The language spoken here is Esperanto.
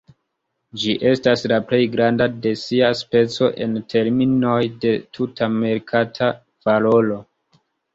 Ĝi estas la plej granda de sia speco en terminoj de tuta merkata valoro.